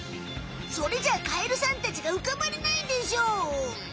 それじゃあカエルさんたちがうかばれないでしょう！